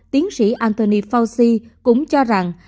tiến sĩ anthony fauci cũng cho rằng